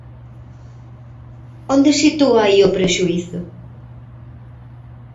Onde sitúa aí o prexuízo?